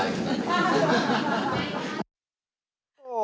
ใช่ค่ะ